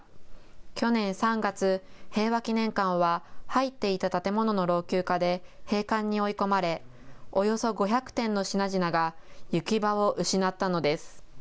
去年３月、平和祈念館は入っていた建物の老朽化で閉館に追い込まれおよそ５００点の品々が行き場を失ったのです。